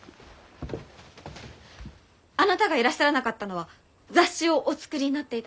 あなたがいらっしゃらなかったのは雑誌をお作りになっていたせいだと。